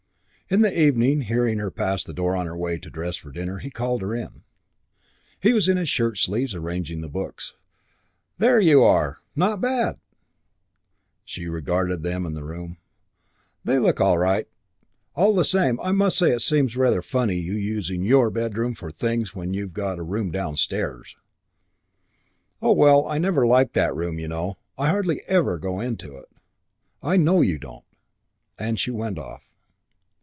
In the evening, hearing her pass the door on her way to dress for dinner, he called her in. He was in his shirt sleeves, arranging the books. "There you are! Not bad?" She regarded them and the room. "They look all right. All the same, I must say it seems rather funny using your bedroom for your things when you've got a room downstairs." "Oh, well, I never liked that room, you know. I hardly ever go into it." "I know you don't." And she went off.